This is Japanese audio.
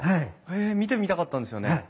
へえ見てみたかったんですよね。